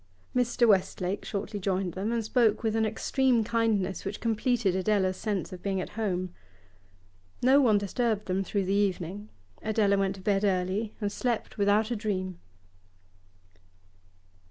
Mr. Westlake shortly joined them, and spoke with an extreme kindness which completed Adela's sense of being at home. No one disturbed them through the evening; Adela went to bed early and slept without a dream.